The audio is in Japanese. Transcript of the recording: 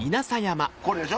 これでしょ